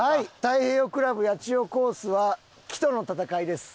太平洋クラブ八千代コースは木との戦いです。